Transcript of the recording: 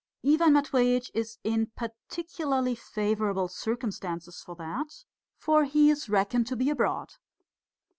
Ivan Matveitch is in particularly favourable circumstances for that, for he is reckoned to be abroad.